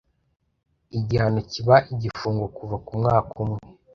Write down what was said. Igihano kiba igifungo kuva ku mwaka umwe